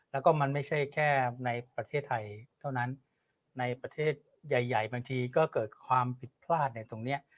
แล้วก็มันไม่ใช่แค่ในประเทศไทยเท่านั้นในประเทศใหญ่บางทีก็เกิดความผิดพลาดในตรงนี้